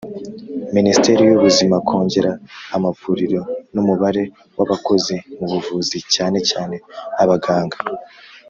Minisiteri y Ubuzima Kongera amavuriro n umubare w abakozi mu buvuzi cyane cyane abaganga